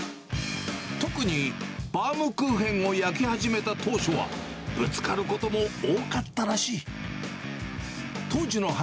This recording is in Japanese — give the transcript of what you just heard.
特にバウムクーヘンを焼き始めた当初は、ぶつかることも多かったらしい。